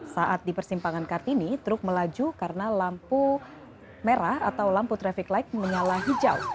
saat di persimpangan kartini truk melaju karena lampu merah atau lampu traffic light menyala hijau